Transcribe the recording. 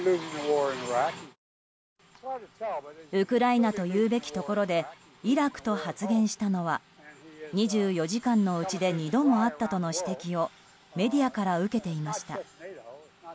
ウクライナと言うべきところでイラクと発言したのは２４時間のうちで２度もあったとの指摘をメディアから受けていました。